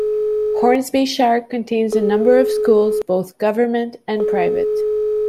Hornsby Shire contains a number of schools, both government and private.